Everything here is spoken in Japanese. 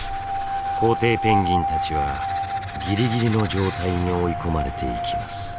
コウテイペンギンたちはギリギリの状態に追い込まれていきます。